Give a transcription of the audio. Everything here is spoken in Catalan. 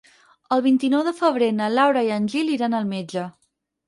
El vint-i-nou de febrer na Laura i en Gil iran al metge.